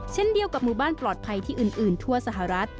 เช่นเดียวกับหมู่บ้านปลอดภัยที่อื่นทั่วสหรัฐ